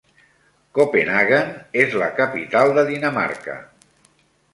Copenhaguen és la capital de Dinamarca